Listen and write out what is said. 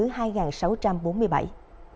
triển lãm phật giáo với hòa bình